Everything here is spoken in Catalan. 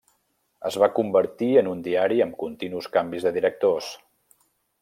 Es va convertir en un diari amb continus canvis de directors.